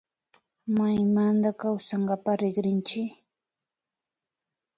Maymanta kawsankapak rikrinkichi